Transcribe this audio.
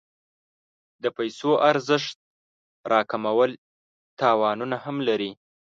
د پیسو ارزښت راکمول زیانونه هم لري.